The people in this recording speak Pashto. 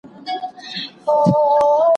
هغوی تر هغه وخته فکر کاوه چي قانع سول..